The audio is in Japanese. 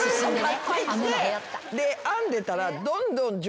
で編んでたら。